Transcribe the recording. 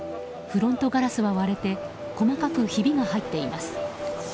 フロントガラスは割れて細かくひびが入っています。